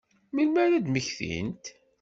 Melmi ara ad mmektint?